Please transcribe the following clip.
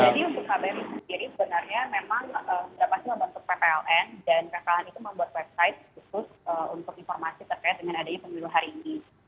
jadi untuk kbri sendiri sebenarnya memang berpastu membantu ppln dan ppln itu membuat website khusus untuk informasi terkait dengan adanya penyuluh hari ini